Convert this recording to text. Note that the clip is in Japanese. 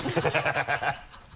ハハハ